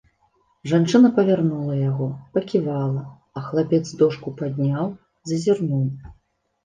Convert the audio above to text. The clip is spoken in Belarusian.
Жанчына павярнула яго, паківала, а хлапец дошку падняў, зазірнуў.